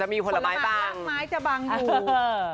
แม้ว่าคนหากล้างไม้จะบังอยู่จะมีผลไม้บัง